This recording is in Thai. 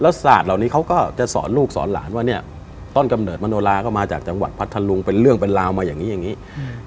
ศาสตร์เหล่านี้เขาก็จะสอนลูกสอนหลานว่าเนี่ยต้นกำเนิดมโนลาก็มาจากจังหวัดพัทธลุงเป็นเรื่องเป็นราวมาอย่างนี้อย่างนี้